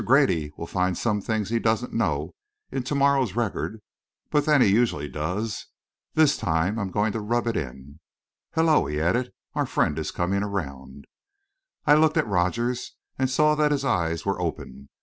Grady will find some things he doesn't know in to morrow's Record. But then he usually does. This time, I'm going to rub it in. Hello," he added, "our friend is coming around." I looked at Rogers and saw that his eyes were open.